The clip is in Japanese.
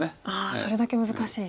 それだけ難しい。